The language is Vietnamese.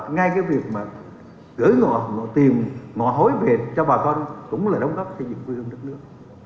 ngay cái việc mà gửi ngộ tiền ngộ hối việt cho bà con cũng là đóng góp xây dựng vui hương đất nước